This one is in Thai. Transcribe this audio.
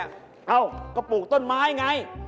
วางเข้าปลูกต้นไม้ไง